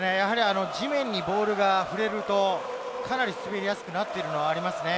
地面にボールが触れるとかなり滑りやすくなっているのはありますね。